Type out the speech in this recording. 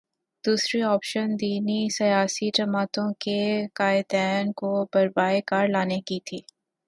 دوسری آپشن دینی سیاسی جماعتوں کے قائدین کو بروئے کار لانے کی تھی۔